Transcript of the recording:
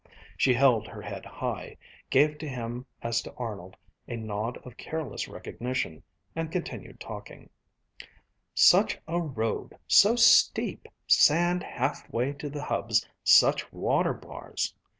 She held her head high, gave to him as to Arnold a nod of careless recognition, and continued talking: "Such a road so steep sand half way to the hubs, such water bars!"